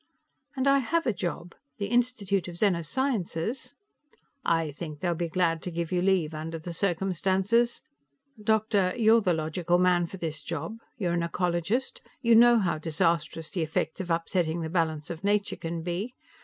"And I have a job. The Institute of Zeno Sciences " "I think they'll be glad to give you leave, under the circumstances. Doctor, you're the logical man for this job. You're an ecologist; you know how disastrous the effects of upsetting the balance of nature can be.